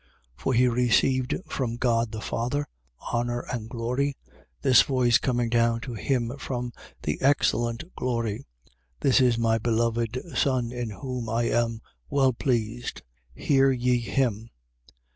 1:17. For he received from God the Father honour and glory, this voice coming down to him from the excellent glory: This is my beloved Son, in whom I am well pleased. Hear ye him.